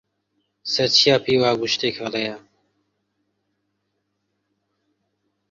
سەرچیا پێی وا بوو شتێک هەڵەیە.